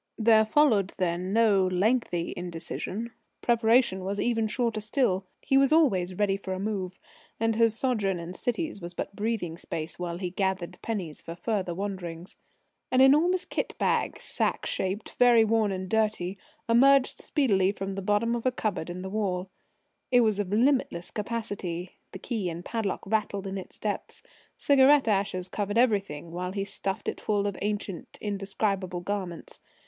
There followed then no lengthy indecision. Preparation was even shorter still. He was always ready for a move, and his sojourn in cities was but breathing space while he gathered pennies for further wanderings. An enormous kit bag sack shaped, very worn and dirty emerged speedily from the bottom of a cupboard in the wall. It was of limitless capacity. The key and padlock rattled in its depths. Cigarette ashes covered everything while he stuffed it full of ancient, indescribable garments.